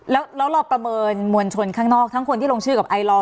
แล้วเราประเมินมวลชนข้างนอกทั้งคนที่ลงชื่อกับไอลอร์